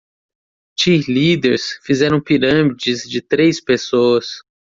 Cheerleaders fizeram pirâmides de três pessoas.